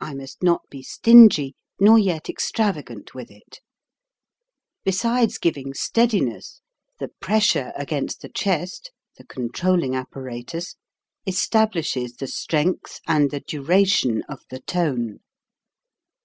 I must not be stingy, nor yet extravagant with it. Besides giving steadiness, the pressure against the chest (the controlling apparatus) establishes the strength and the duration of the tone.